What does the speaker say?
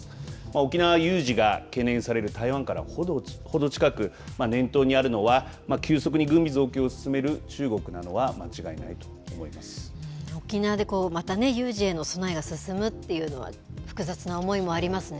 沖縄有事が懸念される台湾からほど近く、念頭にあるのは急速に軍備増強を進める中国なのは沖縄でまた有事への備えが進むというのは複雑な思いもありますね。